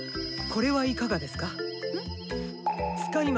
これはいかがですか？